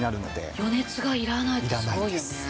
予熱がいらないってすごいよね。